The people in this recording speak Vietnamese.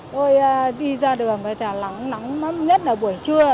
tôi đi ra đường thì nắng lắm nhất là buổi trưa